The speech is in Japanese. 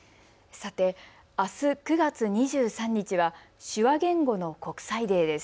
さて、あす９月２３日は手話言語の国際デーです。